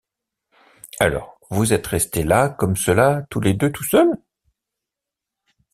Alors vous êtes restés là comme cela tous les deux tout seuls?